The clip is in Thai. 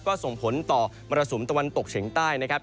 ก็ส่งผลต่อมรสุมตะวันตกเฉียงใต้นะครับ